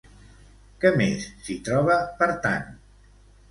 Què més s'hi troba, per tant?